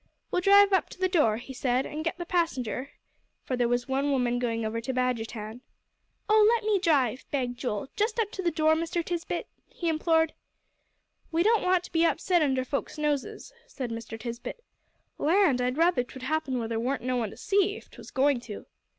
"We'll drive up to th' door," he said, "an' get th' passenger," for there was one woman going over to Badgertown. "Oh, let me drive!" begged Joel; "just up to the door, Mr. Tisbett," he implored. "We don't want to be upset under folks' noses," said Mr. Tisbett. "Land! I'd rather 'twould happen where there warn't no one to see, if 'twas going to."